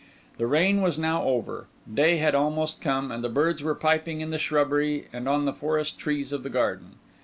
The rain was now over; day had almost come, and the birds were piping in the shrubbery and on the forest trees of the garden.